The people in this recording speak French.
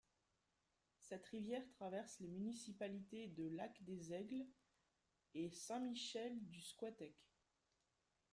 Cette rivière traverse les municipalités de Lac-des-Aigles et Saint-Michel-du-Squatec.